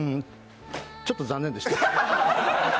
ちょっと残念でした。